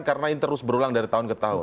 karena ini terus berulang dari tahun ke tahun